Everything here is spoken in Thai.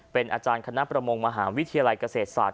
เป็นอาจารย์คณะประมงมหาวิทยาลัยเกษตรศาสต